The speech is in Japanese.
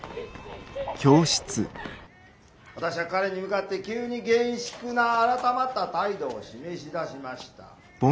「私は彼に向かって急に厳粛な改まった態度を示し出しました。